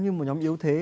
như một nhóm yếu thế